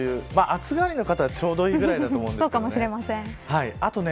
暑がりの方はちょうどいいくらいかもしれません。